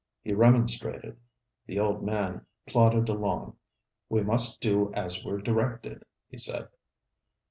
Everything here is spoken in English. He remonstrated. The old man plodded along. 'We must do as we're directed,' he said.